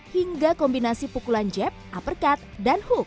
hingga kombinasi pukulan jab uppercut dan hook